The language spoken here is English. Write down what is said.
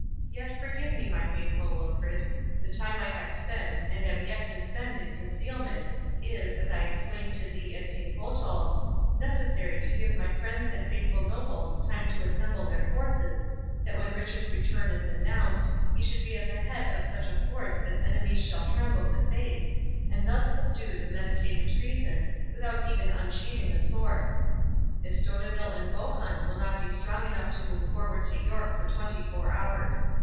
—Yet forgive me, my faithful Wilfred. The time I have spent, and am yet to spend in concealment, is, as I explained to thee at Saint Botolph's, necessary to give my friends and faithful nobles time to assemble their forces, that when Richard's return is announced, he should be at the head of such a force as enemies shall tremble to face, and thus subdue the meditated treason, without even unsheathing a sword. Estoteville and Bohun will not be strong enough to move forward to York for twenty four hours.